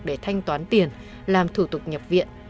để thanh toán tiền làm thủ tục nhập viện